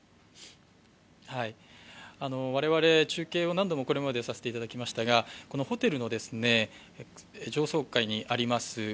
我々、中継を何度もこれまでさせていただきましたが、このホテルの上層階にあります